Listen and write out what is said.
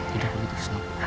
tidak itu senang